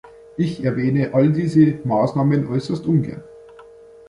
Ich erwähne all diese Maßnahmen äußerst ungern.